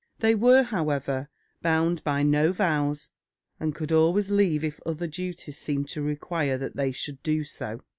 They were, however, bound by no vows, and could always leave if other duties seemed to require that they should do so.